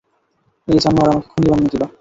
এই জানোয়ার আমাকে খুনী বানিয়ে দিল।